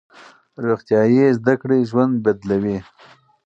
روغتیايي زده کړې ژوند بدلوي.